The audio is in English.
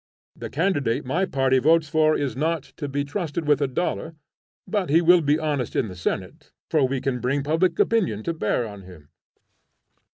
The candidate my party votes for is not to be trusted with a dollar, but he will be honest in the Senate, for we can bring public opinion to bear on him.